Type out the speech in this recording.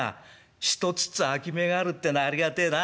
１つずつ空き目があるってのはありがてえな。